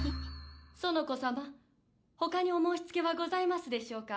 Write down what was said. ・園子様ほかにお申しつけは・ございますでしょうか？